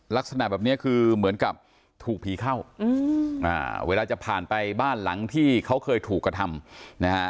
ลักษณะแบบนี้คือเหมือนกับถูกผีเข้าเวลาจะผ่านไปบ้านหลังที่เขาเคยถูกกระทำนะฮะ